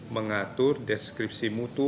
mengatur deskripsi mutu